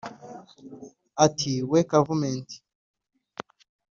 Ati :" We Kavumenti,